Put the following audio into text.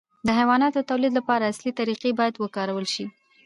د حیواناتو د تولید لپاره عصري طریقې باید وکارول شي.